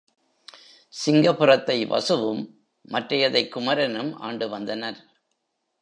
சிங்கபுரத்தை வசுவும், மற்றையதைக் குமரனும் ஆண்டு வந்தனர்.